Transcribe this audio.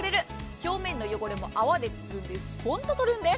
表面の汚れも泡で包んでスポンと取るんです。